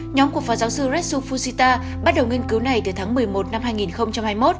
nhóm của phó giáo sư retsu fujita bắt đầu nghiên cứu này từ tháng một mươi một năm hai nghìn hai mươi một